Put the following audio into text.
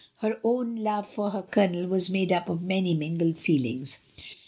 Her own love for her colonel was made up of many mingled feelings; 142 MRS.